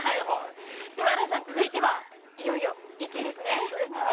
荒井さん、続いてはいよいよ１位ですね。